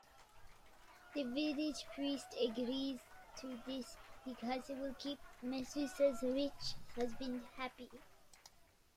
The village priest agrees to this because it will keep Messua's rich husband happy.